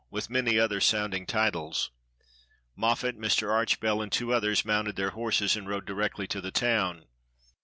with many other sounding titles. Moffat, Mr. Archbell, and two others, mounted their horses, and rode direct to the town.